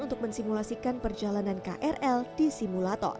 untuk mensimulasikan perjalanan krl di simulator